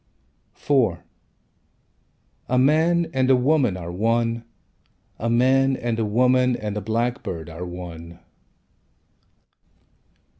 IV A man and a woman Are one. A man and a woman and a blackbird Are one.